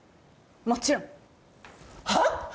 もちろん。はっ！？